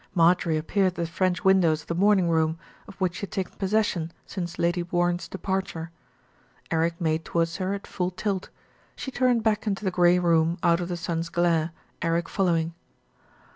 Marjorie appeared at the French windows of the morning room, of which she had taken possession since Lady Warren's departure. Eric made towards her at full tilt. She turned back into the grey room out of the sun's glare, Eric fol lowing.